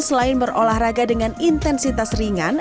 selain berolahraga dengan intensitas ringan